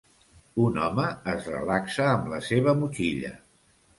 Un home es relaxa amb la seva motxilla.